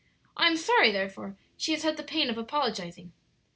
I am sorry, therefore, she has had the pain of apologizing."